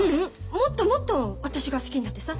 もっともっと私が好きになってさ